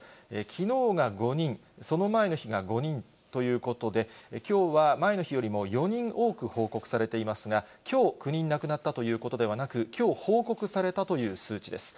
きのうが５人、その前の日が５人ということで、きょうは前の日よりも４人多く報告されていますが、きょう９人亡くなったということではなく、きょう報告されたという数値です。